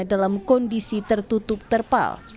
dalam kondisi tertutup terpal